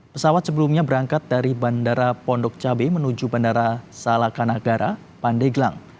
pesawat sebelumnya berangkat dari bandara pondok cabe menuju bandara salakanagara pandeglang